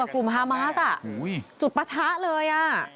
กลุ่มฮามาสจุดปะทะเล